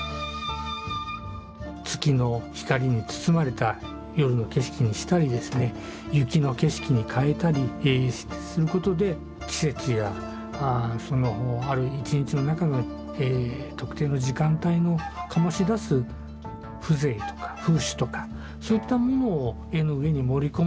月の光に包まれた夜の景色にしたりですね雪の景色に変えたりすることで季節やそのある一日の中の特定の時間帯の醸し出す風情とか風趣とかそういったものを絵の上に盛り込む。